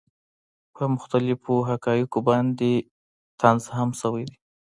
پۀ مختلفو حقائقو باندې طنز هم شوے دے،